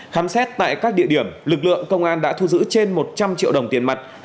khám xét tại các địa điểm lực lượng công an đã thu giữ trên một trăm linh triệu đồng tiền mặt